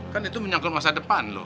kan itu menyangkut masa depan loh